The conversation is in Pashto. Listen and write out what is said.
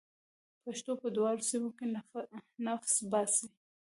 پښتو په دواړو سیمه کې نفس باسي.